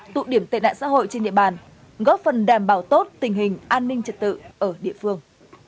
tụ điểm tệ nạn xã hội trên địa bàn góp phần đảm bảo tốt tình hình an ninh trật tự ở địa phương